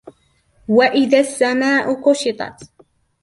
وَإِذَا السَّمَاء كُشِطَتْ